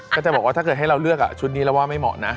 ก็จะบอกว่าถ้าเกิดให้เราเลือกชุดนี้เราว่าไม่เหมาะนะ